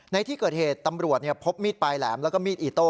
ในที่เกิดเหตุตำรวจพบมีดปลายแหลมแล้วก็มีดอิโต้